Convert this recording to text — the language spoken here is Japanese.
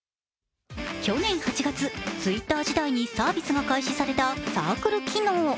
去年８月、Ｔｗｉｔｔｅｒ時代にサービスが開始されたサークル機能。